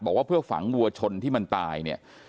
บอกว่าเพื่อฝังวัวชนที่มันตายเนี่ย